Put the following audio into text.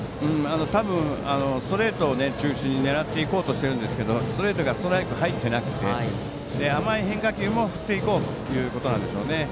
多分、ストレート中心に狙っていこうとしてるんですがストレートがストライクに入っていなくて甘い変化球も振っていこうということなんでしょうね。